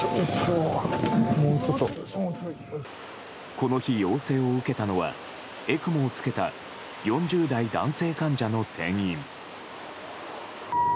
この日、要請を受けたのはＥＣＭＯを着けた４０代男性患者の転院。